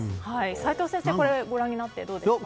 齋藤先生、これをご覧になってどうでしょうか？